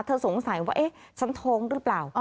สงสัยว่าเอ๊ะฉันท้องหรือเปล่า